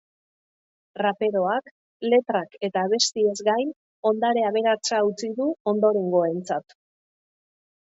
Raperoak letrak eta abestiez gain ondare aberatsa utzi du ondorengoentzat.